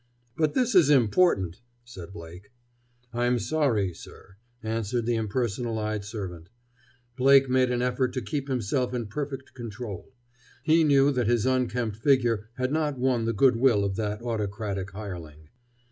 "But this is important," said Blake. "I'm sorry, sir," answered the impersonal eyed servant. Blake made an effort to keep himself in perfect control. He knew that his unkempt figure had not won the good will of that autocratic hireling.